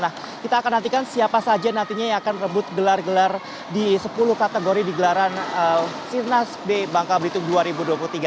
nah kita akan nantikan siapa saja nantinya yang akan rebut gelar gelar di sepuluh kategori di gelaran sirnas b bangka belitung dua ribu dua puluh tiga